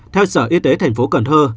theo sở y tế tp cần thơ